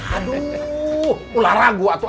aduh ular ragu atuh